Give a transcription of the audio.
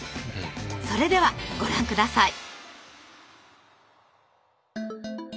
それではご覧下さい。